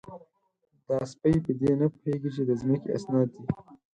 _دا سپۍ په دې نه پوهېږي چې د ځمکې اسناد دي؟